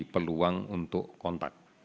peluang untuk kontak